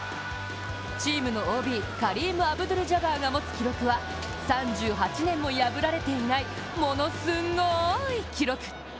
チームのＯＢ、カリーム・アブドゥル・ジャバーが持つ記録は３８年も破られていない、ものすごーい記録。